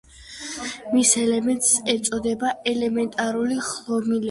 მის ელემენტებს ეწოდება ელემენტარული ხდომილებები.